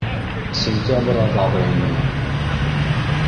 Сентябрь аҙағы ине.